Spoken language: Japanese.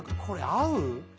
これ合う？